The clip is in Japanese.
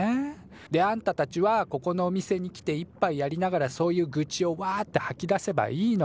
であんたたちはここのお店に来て１ぱいやりながらそういうぐちをわってはき出せばいいの。